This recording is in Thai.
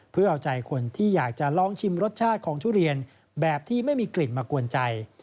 เพื่อเอาใจคนที่อยากจะลองชิมรสชาติของทุเรียนแบบที่ไม่มีกลิ่นมากวนใจ